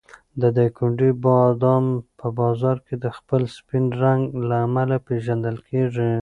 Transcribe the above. د دایکنډي بادام په بازار کې د خپل سپین رنګ له امله پېژندل کېږي.